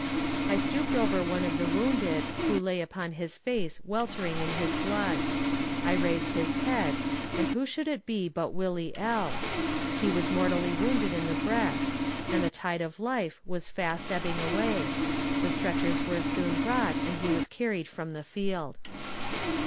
I stooped over one of the wounded, who lay upon his face weltering in his blood; I raised his head, and who should it be but Willie L. He was mortally wounded in the breast, and the tide of life was fast ebbing away; the stretchers were soon brought, and he was carried from the field.